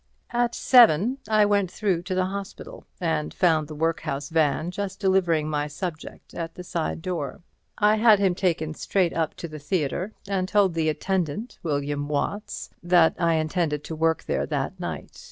At seven I went through to the hospital, and found the workhouse van just delivering my subject at the side door. I had him taken straight up to the theatre, and told the attendant, William Watts, that I intended to work there that night.